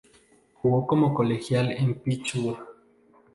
Jugo como colegial en Pittsburgh.